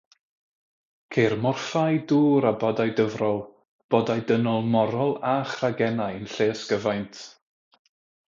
Ceir morffau dwr a bodau dyfrol, bodau dynol morol â chragennau yn lle ysgyfaint.